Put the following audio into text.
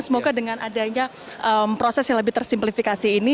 semoga dengan adanya proses yang lebih tersimplifikasi ini